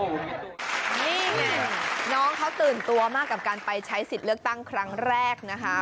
นี่ไงน้องเขาตื่นตัวมากกับการไปใช้สิทธิ์เลือกตั้งครั้งแรกนะคะ